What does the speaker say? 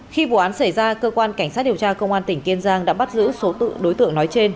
khi vụ án xảy ra cơ quan cảnh sát điều tra công an tỉnh kiên giang đã bắt giữ số tự đối tượng nói trên